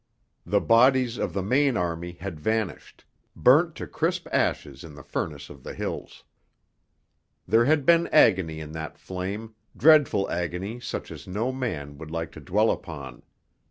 The bodies of the main army had vanished burnt to crisp ashes in the furnace of the hills. There had been agony in that flame, dreadful agony such as no man would like to dwell upon.